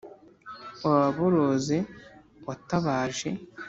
Waboroze watabaje